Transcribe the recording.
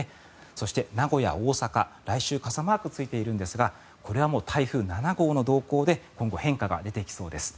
そして、名古屋、大阪は来週傘マークついているんですがこれはもう台風７号の動向で今後、変化が出てきそうです。